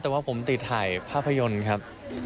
แต่ว่าผมติดถ่ายภาพยนตร์ครับ